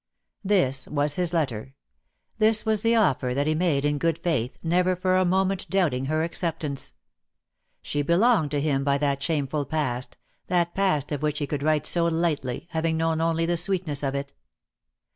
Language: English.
This was his letter. This was the offer that he made in good faith, never for a moment doubting her acceptance. She belonged to him by that shameful past, that past of which he could wi^ite so lightly, halving known only the sweetness of it.